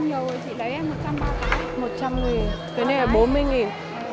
một trăm linh nghìn cái này là bốn mươi nghìn